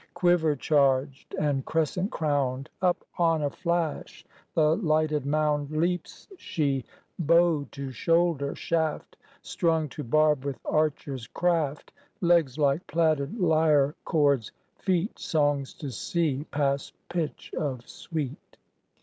Quiver charged and crescent crowned, Up on a flash the lighted mound Leaps she, bow to shoulder, shaft Strung to barb with archer's craft, Legs like plaited lyre chords, feet Songs to see, past pitch of sweet.